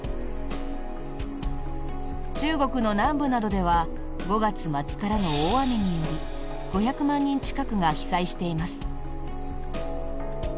中国の南部などでは５月末からの大雨により５００万人近くが被災しています。